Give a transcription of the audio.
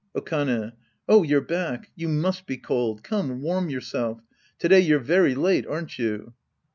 Okane. Oh, you're back. You must be cold. Come, wai m yourself. To day you're very late, aren't you?